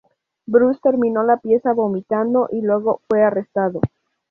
Brus terminó la pieza vomitando y luego fue arrestado.